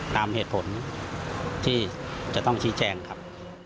ตามเหตุผลที่จะต้องชี้แจงครับ